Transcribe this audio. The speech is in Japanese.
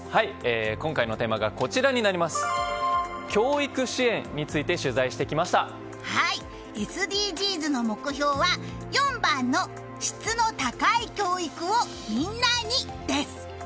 今回のテーマは教育支援についてＳＤＧｓの目標は４番の質の高い教育をみんなに、です。